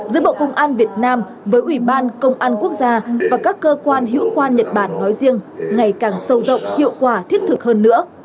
nhật bản và việt nam với ủy ban công an quốc gia và các cơ quan hữu quan nhật bản nói riêng ngày càng sâu rộng hiệu quả thiết thực hơn nữa